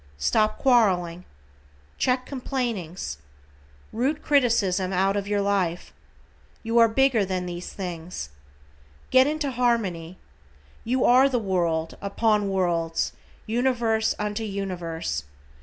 Stop quarreling. Check complainings. Root criticism out of your life. You are bigger than these things. Get into harmony. You are of the world, upon worlds, universe unto universe.